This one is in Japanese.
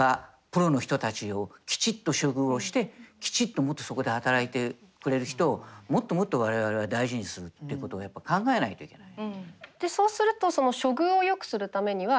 プロの人たちをきちっと処遇をしてきちっともっとそこで働いてくれる人をもっともっと我々は大事にするっていうことをやっぱり考えないといけない。